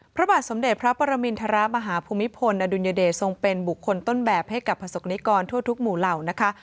พระบาทสมเด็จพระปรมินทรมาฮภูมิพลอดุลยเดชทรงเป็นบุคคลต้นแบบให้กับประสบนิกรทั่วทุกหมู่เหล่านะคะ